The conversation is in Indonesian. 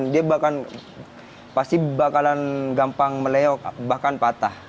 dia pasti bakalan gampang melewok bahkan patah